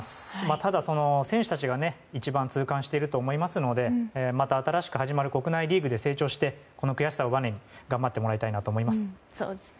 ただ、選手たちが一番痛感していると思いますのでまた新しく始まる国内リーグで成長してこの悔しさをばねに頑張ってもらいたいなと思います。